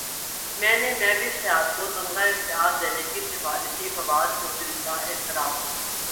میں نے مہوش حیات کو تمغہ امتیاز دینے کی سفارش کی فواد چوہدری کا اعتراف